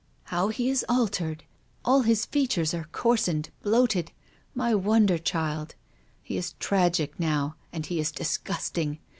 " How he is altered. All his features arecoars, cned, bloated. My wonder child! lie is tragic now, and he is disgusting.